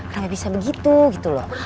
nggak bisa begitu gitu loh